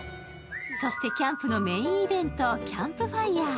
そしてキャンプのメインイベントキャンプファイア。